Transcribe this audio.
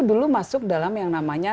dulu masuk dalam yang namanya